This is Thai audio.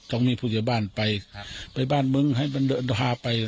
ต้องมีผู้ใหญ่บ้านไปไปบ้านมึงให้มันเดินพาไป